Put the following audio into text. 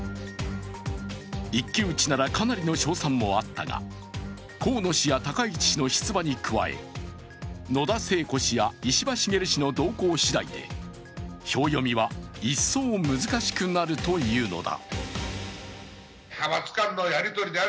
一騎打ちなら、かなりの勝算もあったが河野氏や高市氏の出馬に加え野田聖子氏や石破茂氏の動向次第で票読みは一層難しくなるというのだ。